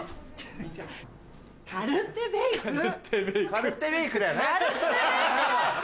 カルッテベイクだって！